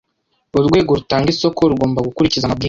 urwego rutanga isoko rugomba gukurikiza amabwiriza